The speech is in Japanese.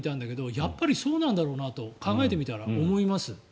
やっぱりそうなんだろうなと考えてみたら思います。